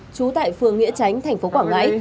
chú tại phường nghĩa tránh tp quảng ngãi